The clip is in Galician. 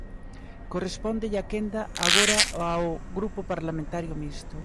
Correspóndelle a quenda agora ao Grupo Parlamentario Mixto.